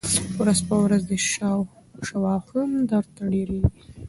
ورځ په ورځ دي شواخون درته ډېرېږی